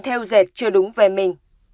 theo dệt chưa đúng về mình